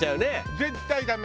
絶対ダメ。